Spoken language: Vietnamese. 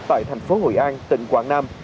tại thành phố hội an tỉnh quảng nam